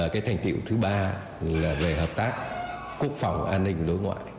cái thành tiệu thứ ba là về hợp tác quốc phòng an ninh đối ngoại